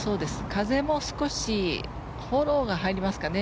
風も少しフォローが入りますかね